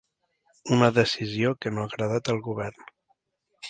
Una decisió que no ha agradat al govern.